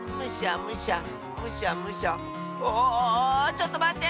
ちょっとまって！